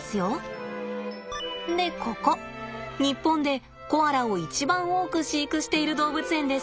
でここ日本でコアラを一番多く飼育している動物園です。